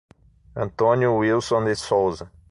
Antônio Wilson de Souza